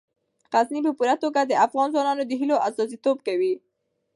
غزني په پوره توګه د افغان ځوانانو د هیلو استازیتوب کوي.